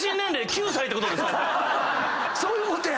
そういうことや！